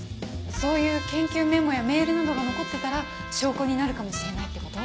そういう研究メモやメールなどが残ってたら証拠になるかもしれないってこと？